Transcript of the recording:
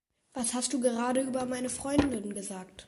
Was hast du gerade über meine Freundin gesagt?